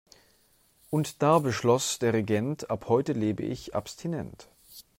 Und da beschloss der Regent: Ab heute lebe ich abstinent.